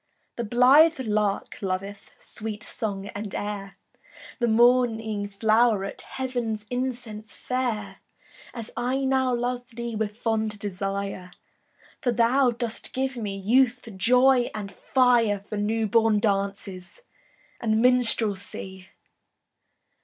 The blithe lark loveth Sweet song and air, The morning flow'ret Heav'n's incense fair, As I now love thee With fond desire, For thou dost give me Youth, joy, and fire, For new born dances And minstrelsy.